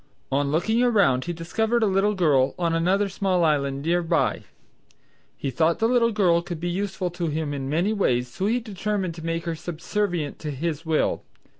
On looking around he discovered a little girl on another small island near by. He thought the little girl could be useful to him in many ways so he determined to make her subservient to his will.